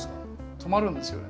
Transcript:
止まるんですよね。